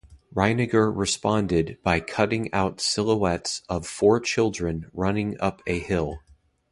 Reiniger responded by cutting out silhouettes of four children running up a hill.